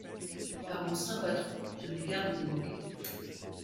Par mon saint patron ! je n’ai garde d’y manquer.